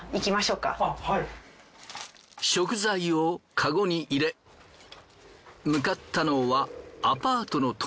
食材をカゴに入れ向かったのはアパートの隣。